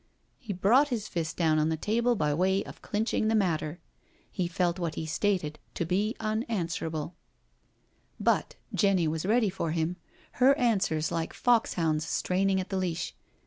He brought his fist down on the table by way of clinch ing the matter. He felt what he stated to be un answerable. JENNY'S CALL 67 But Jenny was ready for him^ her answers like fox hounds straining at the leash.